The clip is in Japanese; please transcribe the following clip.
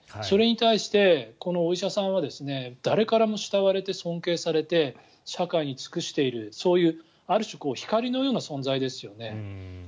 それに対して、このお医者さんは誰からも慕われて尊敬されて社会に尽くしているそういうある種、光のような存在ですよね。